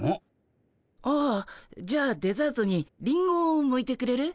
あじゃあデザートにリンゴをむいてくれる？